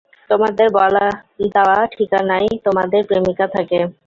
তোমাদের বলা দেওয়া ঠিকানায়, তোমাদের প্রেমিকা থাকে?